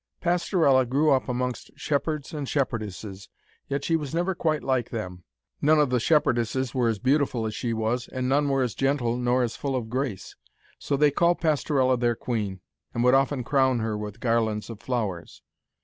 Pastorella grew up amongst shepherds and shepherdesses, yet she was never quite like them. None of the shepherdesses were as beautiful as she was, and none were as gentle nor as full of grace. So they called Pastorella their queen, and would often crown her with garlands of flowers.